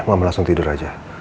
mama langsung tidur aja